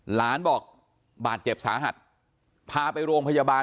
หลานบอกบาดเจ็บสาหัสพาไปโรงพยาบาล